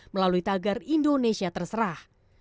melalui tagar indonesia terserah